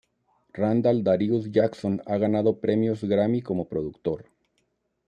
Randall Darius Jackson ha ganado premios Grammy como productor.